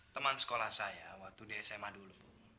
teman sekolah saya waktu di sma dulu